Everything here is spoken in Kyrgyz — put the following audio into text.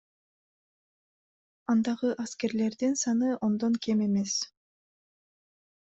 Андагы аскерлердин саны ондон кем эмес.